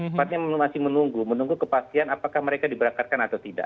sebenarnya masih menunggu menunggu kepastian apakah mereka diberakarkan